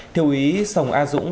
thiếu ý sòng a dũng